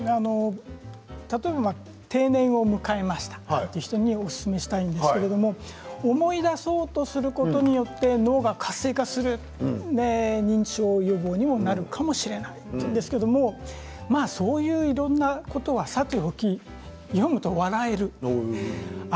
例えば定年を迎えましたという方におすすめしたいんですが思い出そうとすることによって脳が活性化する認知症予防にもなるかもしれないって言うんですけれどもそういういろいろなことはさておき読むと笑える。